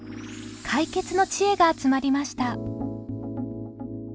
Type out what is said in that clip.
解決のチエが集まりました。